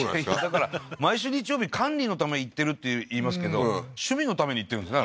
だから毎週日曜日管理のため行ってるって言いますけど趣味のために行ってるんですね？